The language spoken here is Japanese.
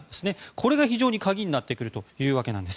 これが非常に鍵になってくるというわけなんです。